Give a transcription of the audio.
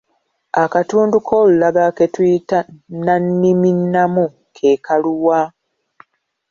Akatundu k'olulagala ke tuyita nnanniminnamu ke kaluwa?